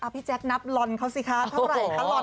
พี่แจนับลอนเขาสิคะเท่าไหร่คะลอน